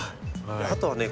あとはね